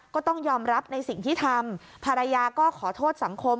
ก็ต้องยอมรับในสิ่งที่ทำภรรยาก็ขอโทษสังคม